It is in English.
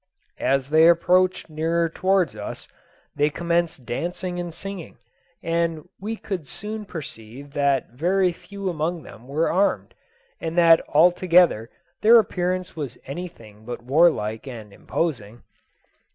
As they approached nearer towards us, they commenced dancing and singing, and we could soon perceive that very few among them were armed, and that altogether their appearance was anything but warlike and imposing.